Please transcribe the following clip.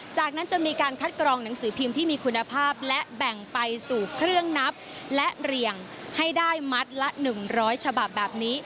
จากนั้นจะมีการคัดกรองหนังสือพิมพ์ที่มีคุณภาพและแบ่งไปสู่เครื่องนับและเรียงให้ได้มัดละ๑๐๐ฉบับแบบนี้